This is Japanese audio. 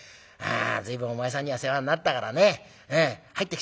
随分お前さんには世話になったからね入ってきたらいくらかあげよう」。